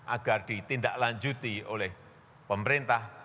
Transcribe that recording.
agar ditindaklanjuti oleh pemerintah